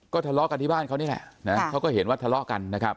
ทะเลาะกันที่บ้านเขานี่แหละนะเขาก็เห็นว่าทะเลาะกันนะครับ